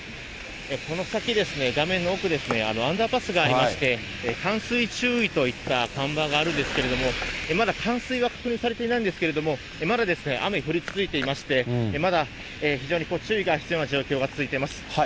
この先、画面の奥、アンダーパスがありまして、冠水注意といった看板があるんですけれども、まだ冠水は確認されていないんですけれども、まだ雨降り続いていまして、まだ非常に注意が必要な状況が続いています。